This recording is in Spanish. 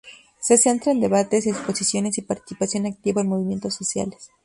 Se centra en debates, exposiciones y participación activa en movimientos sociales.